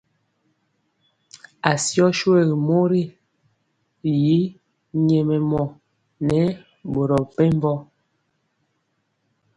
Asió shuégu mori y nyɛmemɔ nɛ boro mepempɔ.